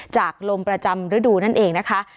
จากลมประจำฤดูนั่นเองนะคะ